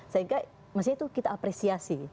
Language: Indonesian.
sehingga mesti itu kita apresiasi